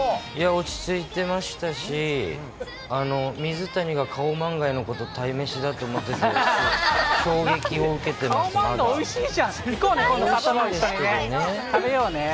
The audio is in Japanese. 落ち着いてましたし、水谷がカオマンガイのことをたいめしだと思ってたの、衝撃を受けカオマンガイ、おいしいじゃおいしいですけどね。